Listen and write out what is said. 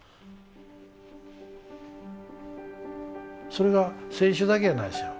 それが選手だけやないですよ。